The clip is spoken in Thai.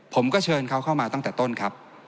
ผมก็เชิญเขาเข้ามาตั้งแต่ต้นครับ